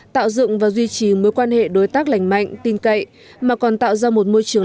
tạo dựng và duy trì mối quan hệ đối tác lành mạnh tin cậy mà còn tạo ra một môi trường